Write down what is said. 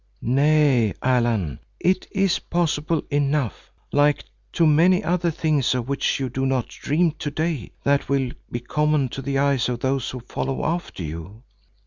"Nay, Allan, it is possible enough, like to many other things of which you do not dream to day that will be common to the eyes of those who follow after you.